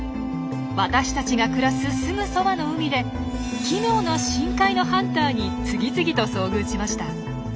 私たちが暮らすすぐそばの海で奇妙な深海のハンターに次々と遭遇しました。